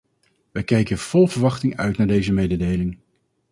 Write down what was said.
Wij kijken vol verwachting uit naar deze mededeling.